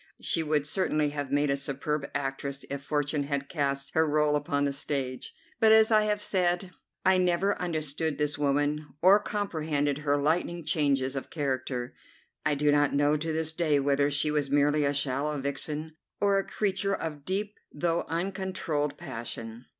She would certainly have made a superb actress if Fortune had cast her rôle upon the stage. But, as I have said, I never understood this woman, or comprehended her lightning changes of character. I do not know to this day whether she was merely a shallow vixen or a creature of deep though uncontrolled passion.